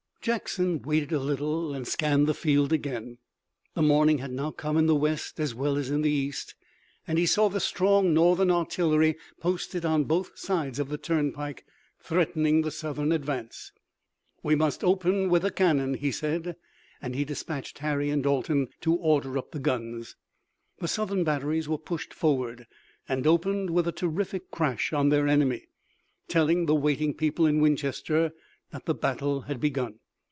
Jackson waited a little and scanned the field again. The morning had now come in the west as well as in the east, and he saw the strong Northern artillery posted on both sides of the turnpike, threatening the Southern advance. "We must open with the cannon," he said, and he dispatched Harry and Dalton to order up the guns. The Southern batteries were pushed forward, and opened with a terrific crash on their enemy, telling the waiting people in Winchester that the battle had begun.